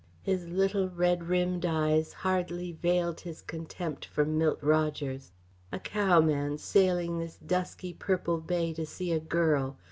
His little red rimmed eyes hardly veiled his contempt for Milt Rogers. A cowman, sailing this dusky purple bay to see a girl!